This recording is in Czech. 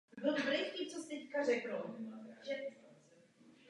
Film zachycuje snahu homosexuálního páru o vlastní dítě.